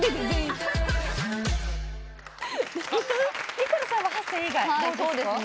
ニコルさんは８選以外どうですか？